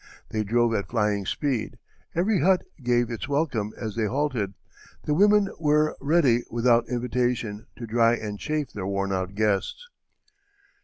They drove at flying speed; every hut gave its welcome as they halted; the women were ready without invitation to dry and chafe their worn out guests."